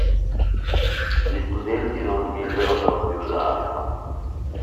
Gli studenti non smisero però di usarla.